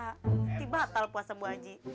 nanti batal puasa buah haji